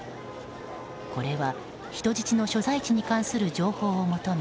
これは人質の所在地に関する情報を求め